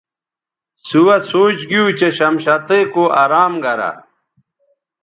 سوہسوچ گیو چہ شمشتئ کو ارام گرہ